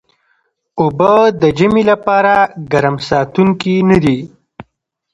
اوبه د ژمي لپاره ګرم ساتونکي نه دي